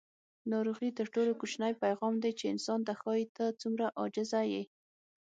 ناروغي تر ټولو کوچنی پیغام دی چې انسان ته ښایي: ته څومره عاجزه یې.